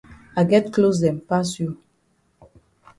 I get closs dem pass you.